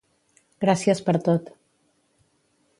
Gràcies per tot.